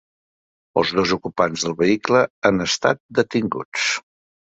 Els dos ocupants del vehicle han estat detinguts.